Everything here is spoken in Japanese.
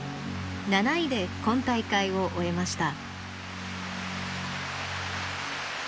７位で今大会を終えました。